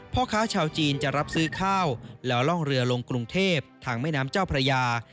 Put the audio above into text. พ่อค้าชาวจีนจะรับซื้อข้าวแล้วล่องเรือลงกรุงเทพทางแม่น้ำเจ้าพระยา